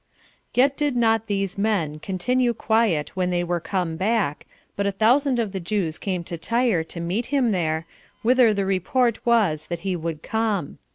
2. Yet did not these men continue quiet when they were come back, but a thousand of the Jews came to Tyre to meet him there, whither the report was that he would come.